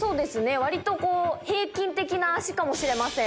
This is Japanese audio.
割と平均的な足かもしれません。